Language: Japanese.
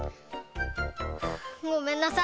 ごめんなさい！